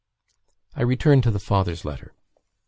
I return to the father's letter.